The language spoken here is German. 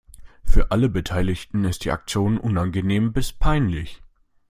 Für alle Beteiligten ist die Aktion unangenehm bis peinlich.